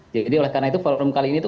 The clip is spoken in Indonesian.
jadi oleh karena itu forum kali ini itu